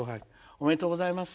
おめでとうございます。